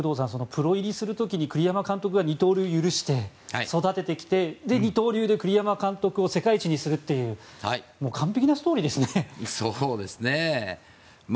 プロ入りする時に栗山監督が二刀流を許して育ててきて二刀流で栗山監督を世界一にするという完璧なストーリーですね。